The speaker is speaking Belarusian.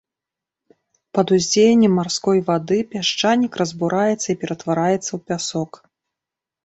Пад уздзеяннем марской вады пясчанік разбураецца і ператвараецца ў пясок.